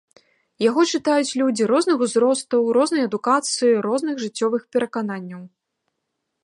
Яго чытаюць людзі розных узростаў, рознай адукацыі, розных жыццёвых перакананняў.